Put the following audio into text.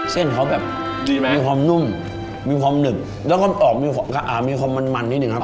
เส้นเขาแบบดีไหมมีความนุ่มมีความหนึบแล้วก็ออกมีความมันนิดนึงครับ